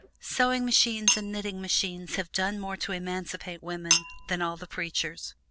Sewing machines and knitting machines have done more to emancipate women than all the preachers.